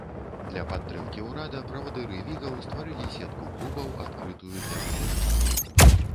Для падтрымкі ўрада правадыры вігаў стварылі сетку клубаў, адкрытую для выбаршчыкаў.